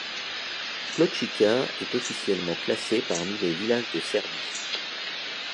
Pločica est officiellement classée parmi les villages de Serbie.